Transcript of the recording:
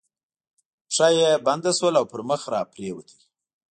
پښه یې بنده شول او پر مخ را پرېوت.